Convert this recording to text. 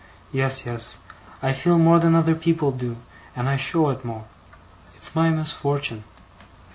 Yes, yes. I feel more than other people do, and I show it more. It's my misfortun'.